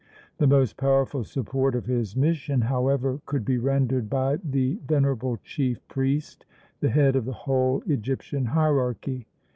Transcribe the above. The most powerful support of his mission, however, could be rendered by the venerable chief priest, the head of the whole Egyptian hierarchy.